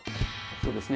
そうですね